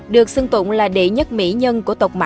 được xưng tụng là đệ nhất mỹ nhân